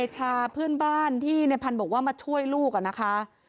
ชาเพื่อนบ้านที่ในพันธุ์บอกว่ามาช่วยลูกอะนะคะ